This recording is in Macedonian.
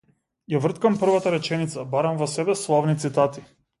Ја врткам првата реченица, барам во себе славни цитати.